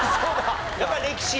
やっぱ歴史？